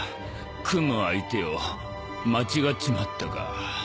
組む相手を間違っちまったか。